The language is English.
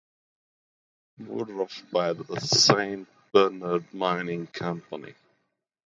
Woodruff by the Saint Bernard Mining Company.